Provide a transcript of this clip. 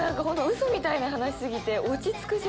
ウソみたいな話過ぎて。